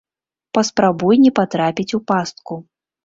Паспрабуй не патрапіць у пастку.